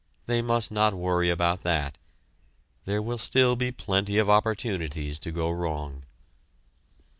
They must not worry about that there will still be plenty of opportunities to go wrong!